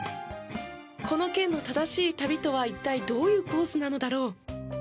この県の正しい旅とは一体どういうコースなのだろう。